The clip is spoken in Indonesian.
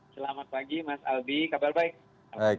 selamat pagi mas albi kabar baik